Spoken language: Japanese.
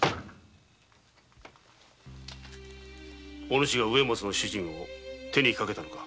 お主が「植松」の主人を手にかけたのか？